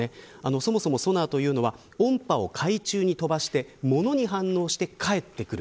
そもそもソナーというものは音波を海中に飛ばし物に反応して返ってくる。